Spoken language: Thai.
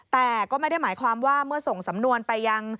แต่ก็ไม่ได้หมายความว่าเมื่อส่งสำนวนไปยัง